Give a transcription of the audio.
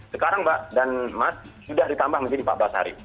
sekarang mbak dan mas sudah ditambah menjadi empat belas hari